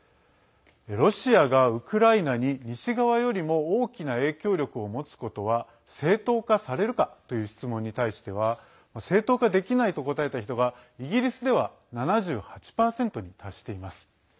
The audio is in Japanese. ロシアがウクライナに西側よりも大きな影響力を持つことは正当化されるかという質問に対しては正当化できないと答えた人がイギリスでは７８％に達しています。